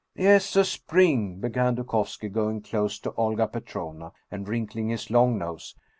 " Yes, a spring," began Dukovski, going close to Olga Petrovna and wrinkling his long nose.